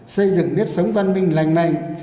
xây dựng nếp sống văn minh lành lành